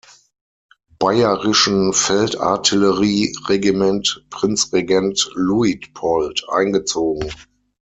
Bayerischen Feldartillerie-Regiment „Prinzregent Luitpold“ eingezogen.